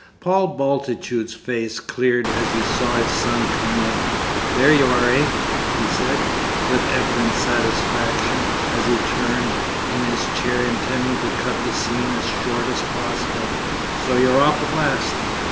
Paul Bultitude's face cleared as he saw his son come in. "There you are, eh?" he said, with evident satisfaction, as he turned in his chair, intending to cut the scene as short as possible. "So you're off at last?